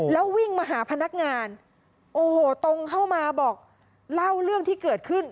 แล้ววิ่งมาหาพนักงานโอ้โหตรงเข้ามาบอกเล่าเรื่องที่เกิดขึ้น